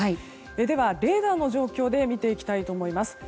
では、レーダーの状況で見ていきたいと思います。